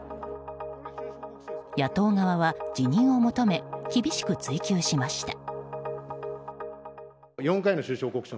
野党側は辞任を求め厳しく追及しました。